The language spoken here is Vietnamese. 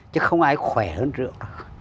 chứ không ai khỏe hơn rượu